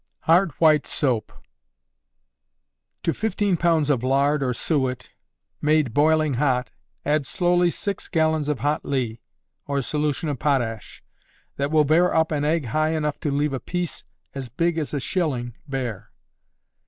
Hard White Soap. To fifteen pounds of lard or suet, made boiling hot, add slowly six gallons of hot ley, or solution of potash, that will bear up an egg high enough to leave a piece big as a shilling bare.